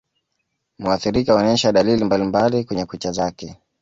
Muathirika huonesha dalili mbalimbali kwenye kucha zake